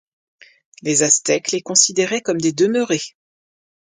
Les Aztèques les considéraient comme des demeurés.